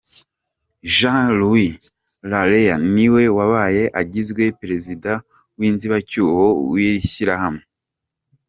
Juan Luis Larrea ni we wabaye agizwe Perezida w'inzibacyuho w'iri shyirahamwe.